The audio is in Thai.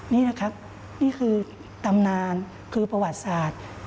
นี่นะครับนี่คือตำนานคือประวัติศาสตร์